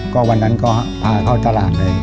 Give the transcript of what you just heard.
ก็วันนั้นก็พาเข้าตลาดเลย